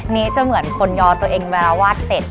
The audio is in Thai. นี้จะเหมือนคนยอตัวเองเวลาวาดเสร็จ